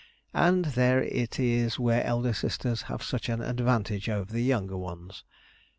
And there it is where elder sisters have such an advantage over younger ones.